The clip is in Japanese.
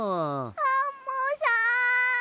アンモさん。